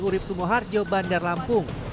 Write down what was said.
urib sumoharjo bandar lampung